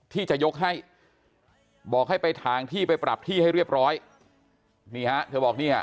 ที่จะยกให้บอกให้ไปทางที่ไปปรับที่ให้เรียบร้อยนี่ฮะเธอบอกเนี่ย